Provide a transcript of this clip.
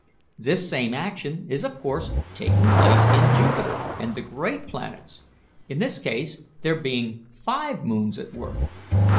This same action is of course taking place in Jupiter and the great planets, in this case there being five moons at work.